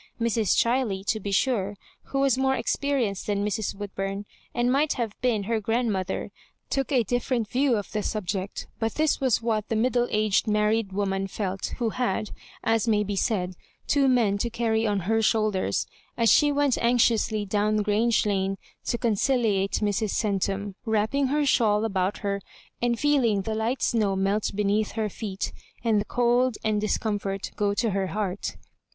Mrs. Ghiley, to be sure, who was more experienced than Mrs. Woodbum, and might have been her grandmo ther, took a different view of the subject; but this was what the middle aged married woman felt, who had, as may be said, two men to carry on her shoulders, as she went anxiously down Grange Lane to conciliate Mrs. Centum, wrap ping her shawl about ber, and feeling the light snow melt beneath her feet, and the cold and discomfort go to her heart.